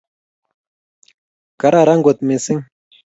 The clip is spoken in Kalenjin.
kararan kot missing